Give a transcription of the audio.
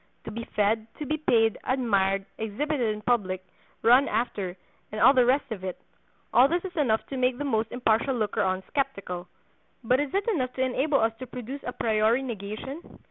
To be fed, to be paid, admired, exhibited in public, run after, and all the rest of it—all this is enough to make the most impartial looker on skeptical. But is it enough to enable us to produce an a priori negation?